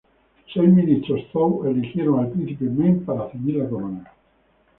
Seis ministros Zhou eligieron al príncipe Meng para ceñir la corona.